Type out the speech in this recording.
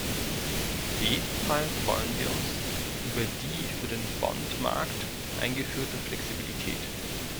Auf jeden Fall freuen wir uns über die für den Bondmarkt eingeführte Flexibilität.